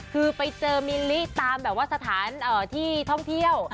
คือไปเจอมิลลิตามแบบว่าสถานที่ท่องเที่ยว